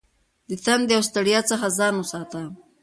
د تندې او ستړیا څخه ځان وساته.